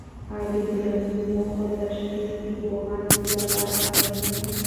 آیا د ټولنیزو موخو تشخیص د پوهاند لپاره مهم دی؟